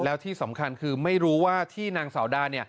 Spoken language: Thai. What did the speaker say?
แล้วที่สำคัญคือไม่รู้ว่าที่นางสาวดา